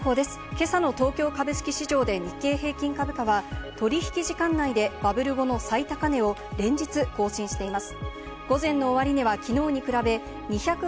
今朝の東京株式市場で日経平均株価は取引時間内で、バブル後の最高値を連日更新しています。